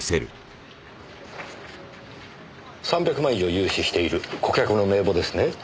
３００万以上融資している顧客の名簿ですね。